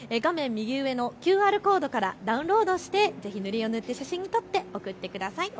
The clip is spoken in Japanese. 右上のＱＲコードからダウンロードしてぜひ塗り絵を塗って写真に撮って送ってください。